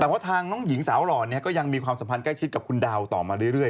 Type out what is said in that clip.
แต่ว่าทางน้องหญิงสาวหล่อเนี่ยก็ยังมีความสัมพันธ์ใกล้ชิดกับคุณดาวต่อมาเรื่อย